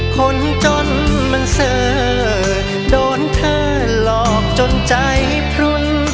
คนจนมันเสอโดนเธอหลอกจนใจพรุน